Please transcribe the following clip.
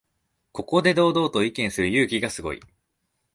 ここで堂々と意見する勇気がすごい